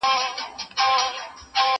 نه یې حال نه یې راتلونکی معلومېږي